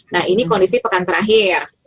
nah ini kondisi pekan terakhir